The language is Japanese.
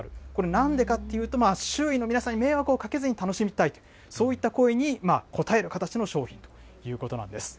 これ、なんでかというと、周囲の皆さんに迷惑をかけずに楽しみたい、そういった声に応える形の商品ということなんです。